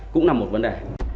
cũng là một vấn đề